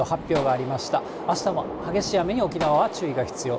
あしたは、激しい雨に、沖縄は注意が必要。